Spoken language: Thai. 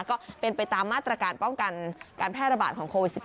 ก็เป็นไปตามมาตรการป้องกันการแพร่ระบาดของโควิด๑๙